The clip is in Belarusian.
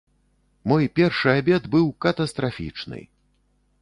Мой першы абед быў катастрафічны!